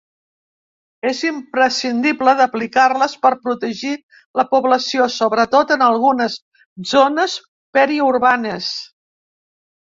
És imprescindible d’aplicar-les per protegir la població sobretot en algunes zones periurbanes.